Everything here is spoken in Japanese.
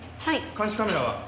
監視カメラは？